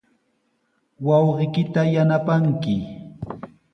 Wawqiykita yanapanki.